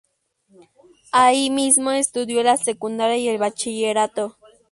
Ahí mismo estudió la secundaria y el bachillerato.